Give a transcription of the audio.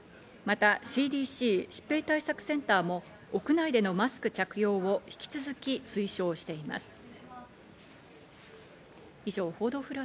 また、ＣＤＣ＝疾病対策センターも屋内でのマスク着用を引き続き推奨しています。